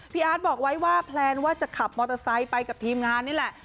อาร์ตบอกไว้ว่าแพลนว่าจะขับมอเตอร์ไซค์ไปกับทีมงานนี่แหละ